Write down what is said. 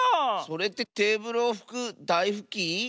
それってテーブルをふくだいふき？